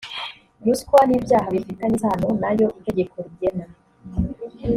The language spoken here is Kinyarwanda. ruswa n ibyaha bifitanye isano na yo itegeko rigena